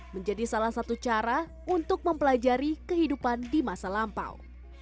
menjadi salah satu cara untuk mempelajari kehidupan di masa lampau